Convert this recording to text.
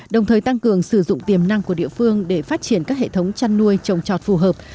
đồng thời tăng cường sử dụng tiềm năng của địa phương để phát triển các hệ thống chăn nuôi trồng trọt phù hợp